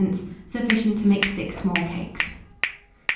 Sufficient to make 6 small cakes.